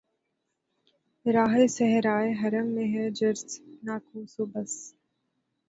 راہِ صحرائے حرم میں ہے جرس‘ ناقوس و بس